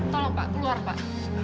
tolong pak keluar pak